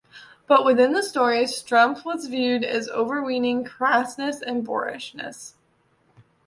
But within the stories, strumph was a viewed as overweening crassness and boorishness.